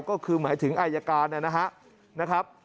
ก็คือหมายถึงอายการนะครับ